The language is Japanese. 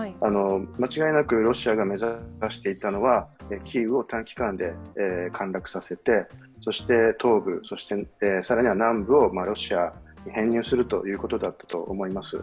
間違いなくロシアが目指していたのはキーウを短期間で陥落させてそして東部、更には南部をロシアに編入するということだと思います。